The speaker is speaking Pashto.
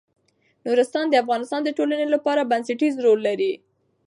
نورستان د افغانستان د ټولنې لپاره بنسټيز رول لري.